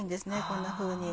こんなふうに。